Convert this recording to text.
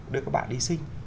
đưa các bạn đi sinh